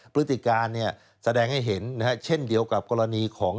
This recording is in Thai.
พฤติการแสดงให้เห็นเช่นเดียวกับกรณีของ